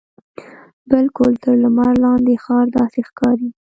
بالکل تر لمر لاندې ښار داسې ښکاري.